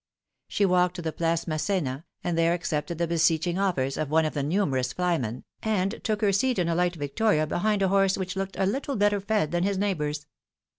She walked to the Place Massena, and there accepted the beseeching offers of one of the numerous flymen, and took her seat in a light victoria behind a horse which looked a little better fed than his neighbours.